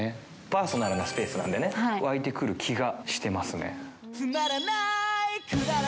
パーソナルなスペースなんでね、湧いてくる気がしてますね。